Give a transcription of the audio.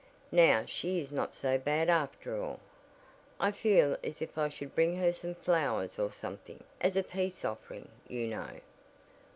Now she is not so bad after all. I feel as if I should bring her some flowers or something; as a peace offering, you know."